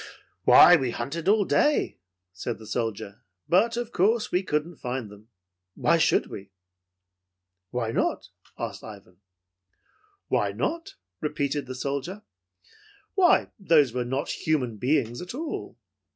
"Why, we hunted all day," said the soldier, "but of course we couldn't find them. Why should we?" "Why not?" asked Ivan. "Why not?" repeated the soldier. "Why, those were not human beings at all.